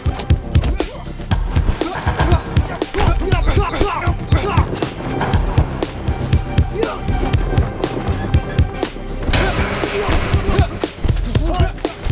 gimana pelajaran kau hari ini